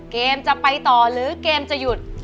เกมจะไปต่อหรือเกมจะหยุด